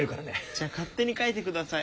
じゃあ勝手に書いてください。